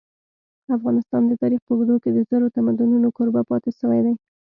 افغانستان د تاریخ په اوږدو کي د زرو تمدنونو کوربه پاته سوی دی.